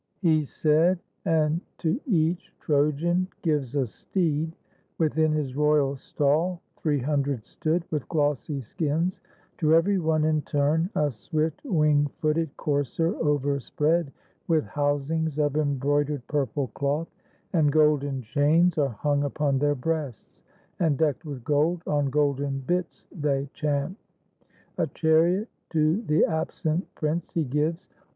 He said; and to each Trojan gives a steed (Within his royal stall three hundred stood, With glossy skins) ; to every one in turn A swift wing footed courser overspread With housings of embroidered purple cloth; And golden chains are hung upon their breasts; And, decked with gold, on golden bits they champ. A chariot to the absent prince he gives.